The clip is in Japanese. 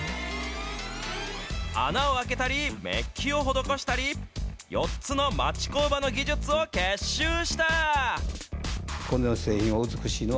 穴を開けたり、メッキを施したり、４つの町工場の技術を結集した。